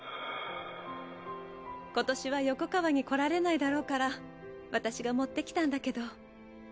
今年は横川に来られないだろうから私が持ってきたんだけど。